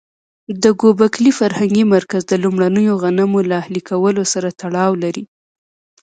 د ګوبک لي فرهنګي مرکز د لومړنیو غنمو له اهلي کولو سره تړاو لري.